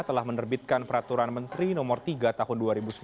telah menerbitkan peraturan menteri no tiga tahun dua ribu sembilan belas